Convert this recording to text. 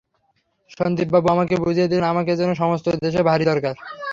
সন্দীপবাবু আমাকে বুঝিয়ে দিলেন, আমাকে যেন সমস্ত দেশের ভারি দরকার।